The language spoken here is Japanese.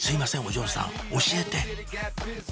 お嬢さん教えて！